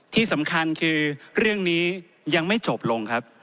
ที่สำคัญคือเรื่องนี้ยังไม่จบลงครับ